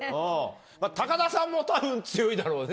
田さんも多分強いだろうね？